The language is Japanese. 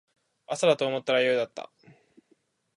朝だと思ったら夜だった